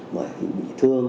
ngoài bị thương